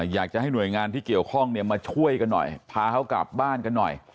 อยากจะให้หน่วยงานที่เกี่ยวข้องเนี่ยมาช่วยกันหน่อยพาเขากลับบ้านกันหน่อย